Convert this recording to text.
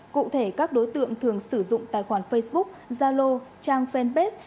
cụ thể các đối tượng thường sử dụng tài khoản facebook zalo trang fanpage